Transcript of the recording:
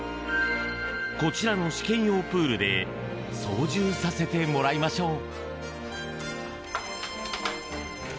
こちらの試験用プールで操縦させてもらいましょう。